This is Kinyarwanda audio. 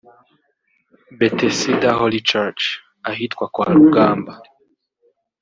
Bethesda Holly Church (Ahitwa kwa Rugamba)